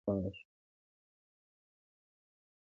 که وخت سم ووېشل شي، نو کار به اسانه شي.